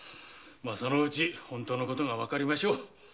そのうち本当のことがわかりましょう。